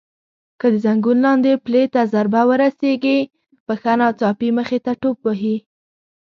که د زنګون لاندې پلې ته ضربه ورسېږي پښه ناڅاپي مخې ته ټوپ وهي.